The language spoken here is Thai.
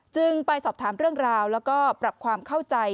ไปสอบถามเรื่องราวแล้วก็ปรับความเข้าใจ